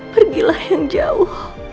pergilah yang jauh